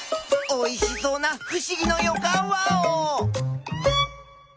おいしそうなふしぎのよかんワオ！